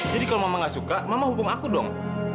jadi kalau mama nggak suka mama hukum aku dong